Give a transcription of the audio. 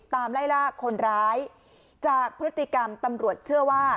ไล่ลากคนร้ายจากพฤติกรรมตำรวจเชื่อว่า